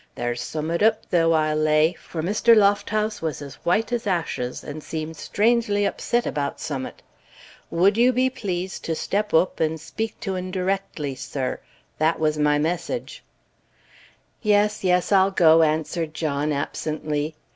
There's summat oop, though, I'll lay, for Mr. Lofthouse was as whoite as ashes, and seemed strangely oopset about summat. Would you be pleased to step oop, and speak to 'un directly, sir? that was my message." "Yes, yes, I'll go," answered John, absently.